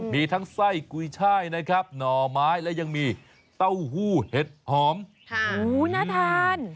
มีทั้งไส้กุยช่ายนะครับหน่อไม้และยังมีเต้าหู้เห็ดหอมน่าทาน